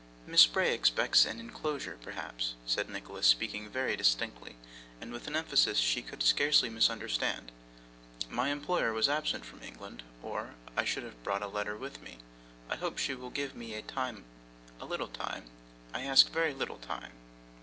'Miss Bray expects an inclosure perhaps,' said Nicholas, speaking very distinctly, and with an emphasis she could scarcely misunderstand. 'My employer is absent from England, or I should have brought a letter with me. I hope she will give me time a little time. I ask a very little time.